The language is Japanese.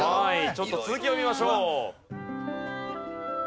ちょっと続きを見ましょう。